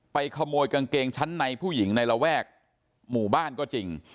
ขโมยกางเกงชั้นในผู้หญิงในระแวกหมู่บ้านก็จริง